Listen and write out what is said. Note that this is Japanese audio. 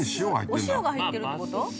お塩が入ってるってこと？